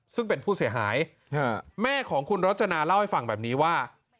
ซึ่งเป็นผู้เสียหายแม่ของคุณรจนาเล่าให้ฟังแบบนี้ว่า